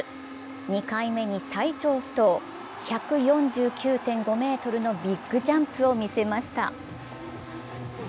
２回目に最長不倒、１４９．５ｍのビッグジャンプを見せました。